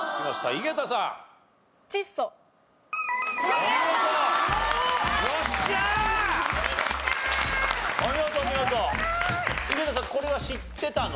井桁さんこれは知ってたの？